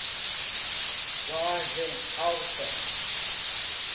Vargem Alta